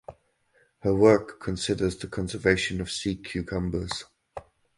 Her work considers the conservation of sea cucumbers.